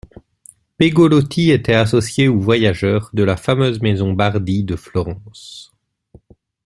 Pegolotti était associé ou voyageur de la fameuse maison Bardi de Florence.